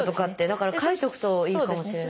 だから書いておくといいかもしれない。